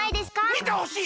みてほしい！